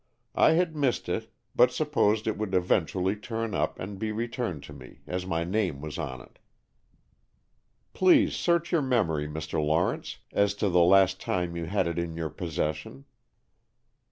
I had missed it, but supposed it would eventually turn up and be returned to me, as my name was on it." "Please search your memory, Mr. Lawrence, as to the last time you had it in your possession."